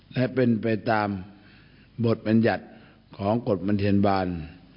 ให้เป็นไปตามบทบัญญัติของกฎบันเทียนบาล